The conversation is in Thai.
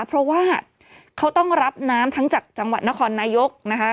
เพราะว่าเขาต้องรับน้ำทั้งจากจังหวัดนครนายกนะคะ